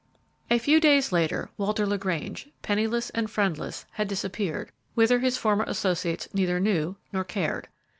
A few days later, Walter LaGrange, penniless and friendless, had disappeared, whither his former associates neither knew nor cared.